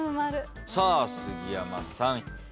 さあ杉山さん。